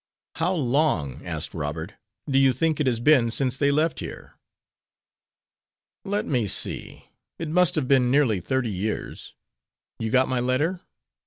"How long," asked Robert, "do you think it has been since they left here?" "Let me see; it must have been nearly thirty years. You got my letter?"